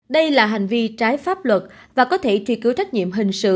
đây là hành vi trái pháp luật và có thể truy cứu trách nhiệm hình sự